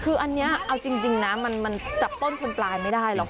คืออันนี้เอาจริงนะมันจับต้นชนปลายไม่ได้หรอก